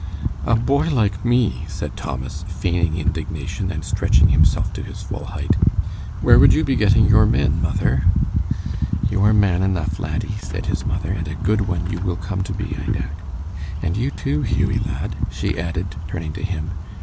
"A boy like me!" said Thomas, feigning indignation, and stretching himself to his full height. "Where would you be getting your men, mother?" "You are man enough, laddie," said his mother, "and a good one you will come to be, I doubt. And you, too, Hughie, lad," she added, turning to him.